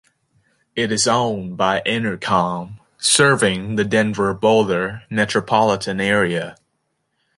It is owned by Entercom, serving the Denver-Boulder metropolitan area.